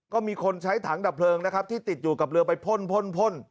ก็มีคนใช้ถังดับเพลิงนะครับที่ติดอยู่กับเรือไปพ่นพ่นพ่น